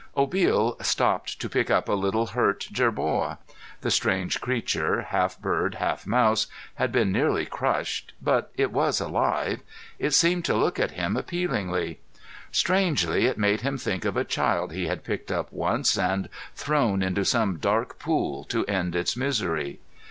Obil stopped to pick up a little hurt jerboa. The strange creature, half bird, half mouse, had been nearly crushed, but it was alive. It seemed to look at him appealingly. Strangely, it made him think of a child he had picked up once and thrown into some dark pool to end its misery.